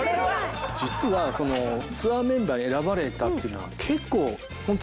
実はツアーメンバーに選ばれたというのは結構ホント。